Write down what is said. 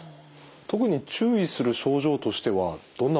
特に注意する症状としてはどんなものがありますか？